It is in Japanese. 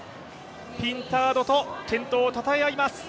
ピンタードと健闘をたたえ合います。